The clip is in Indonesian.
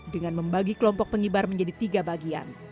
dengan membagi kelompok pengibar menjadi tiga bagian